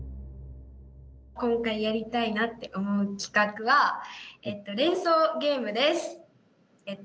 今回やりたいなって思う企画は「連想ゲーム」です。